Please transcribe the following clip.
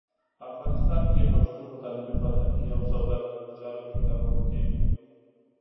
افغانستان کې پښتو په تعلیمي، فرهنګي او سوداګریزو چارو کې کارول کېږي.